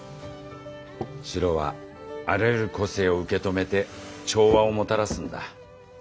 白はあらゆる個性を受け止めて調和をもたらすんだ。